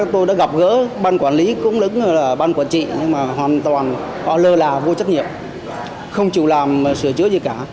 tôi đã gặp gỡ ban quản lý cũng đứng là ban quản trị nhưng mà hoàn toàn lơ là vô trách nhiệm không chịu làm sửa chữa gì cả